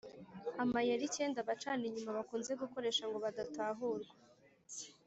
amayeri icyenda abacana inyuma bakunze gukoresha ngo badatahurwa